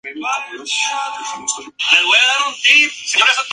Esto se denomina información de alimentación o servicio.